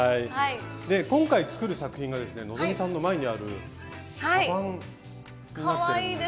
今回作る作品がですね希さんの前にあるカバン。